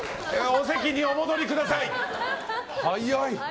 お席にお戻りください！